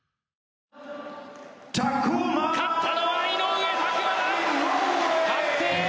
勝ったのは井上拓真だ！